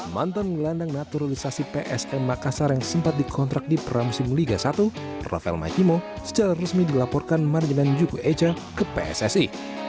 mantan gelandang naturalisasi psm makassar yang sempat dikontrak di pramusim liga satu rafael maitimo secara resmi dilaporkan marginal juku ece ke pssi